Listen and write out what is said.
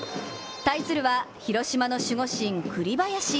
対するは広島の守護神・栗林。